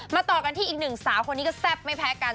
ต่อกันที่อีกหนึ่งสาวคนนี้ก็แซ่บไม่แพ้กัน